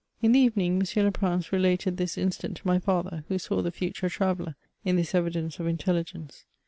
In the evening, M. Leprince related this incident to my father, who saw the ftiture traveller in this evidence of inteUigence.